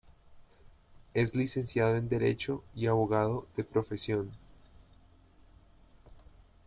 Es licenciado en Derecho y abogado de profesión.